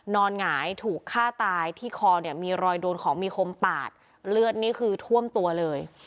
หงายถูกฆ่าตายที่คอเนี่ยมีรอยโดนของมีคมปาดเลือดนี่คือท่วมตัวเลย